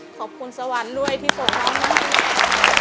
ขอบคุณสวรรค์รวยที่ส่งมามาก